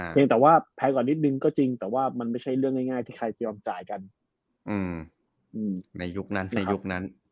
ยังแต่ว่าแพงกว่านิดนึงก็จริงแต่ว่ามันไม่ใช่เรื่องง่ายที่ใครเตรียมจ่ายกันในยุคนั้นในยุคนั้น